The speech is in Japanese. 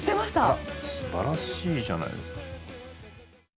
あらすばらしいじゃないですか。